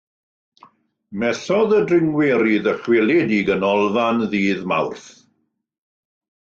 Methodd y dringwyr i ddychwelyd i ganolfan ddydd Mawrth.